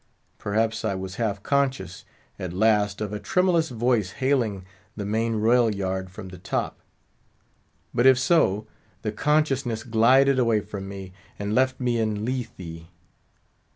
Perhaps I was half conscious at last of a tremulous voice hailing the main royal yard from the top. But if so, the consciousness glided away from me, and left me in Lethe.